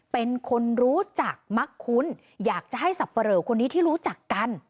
เป็นคนรู้จักมักคุ้นอยากจะให้สับปะเหลอคนนี้ที่รู้จักกัน